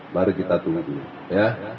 mari kita tunggu ya